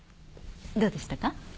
どうでしたか？